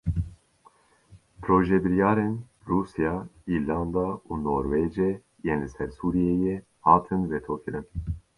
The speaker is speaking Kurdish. Projebiryarên Rûsya, Îrlanda û Norwêcê yên li ser Sûriyeyê hatin vetokirin.